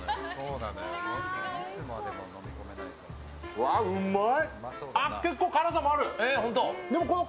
うわ、うまい！